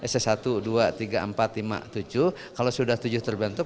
sc satu dua tiga empat lima tujuh kalau sudah tujuh terbentuk